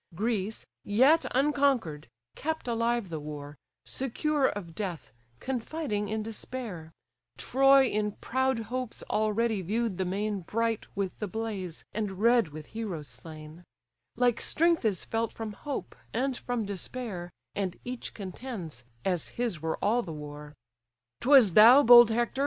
Greece, yet unconquer'd, kept alive the war, Secure of death, confiding in despair: Troy in proud hopes already view'd the main Bright with the blaze, and red with heroes slain: Like strength is felt from hope, and from despair, And each contends, as his were all the war. 'Twas thou, bold Hector!